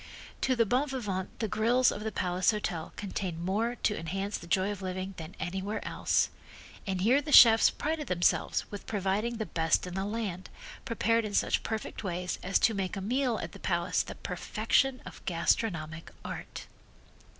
To the bon vivant the grills of the Palace Hotel contained more to enhance the joy of living than anywhere else, and here the chefs prided themselves with providing the best in the land, prepared in such perfect ways as to make a meal at the Palace the perfection of gastronomic art.